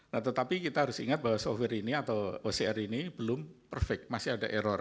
nah tetapi kita harus ingat bahwa software ini atau ocr ini belum perfect masih ada error